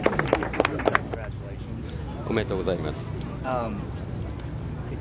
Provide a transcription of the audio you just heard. おめでとうございます。